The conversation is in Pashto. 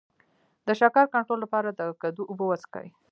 د شکر کنټرول لپاره د کدو اوبه وڅښئ